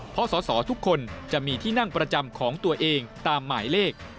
เพราะสอสอทุกคนจะมีที่นั่งประจำของตัวเองตามหมายเลข